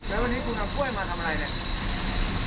แล้ววันนี้คุณเอากล้วยมาทำอะไรเนี่ย